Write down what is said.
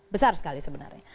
besar sekali sebenarnya